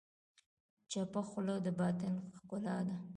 چپه خوله، د باطن ښکلا ده.